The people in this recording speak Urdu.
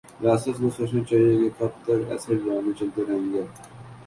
ریاست کو سوچنا چاہیے کہ کب تک ایسے ڈرامے چلتے رہیں گے